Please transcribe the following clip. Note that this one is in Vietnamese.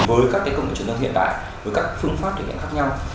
với các công nghệ truyền thống hiện tại với các phương pháp thể hiện khác nhau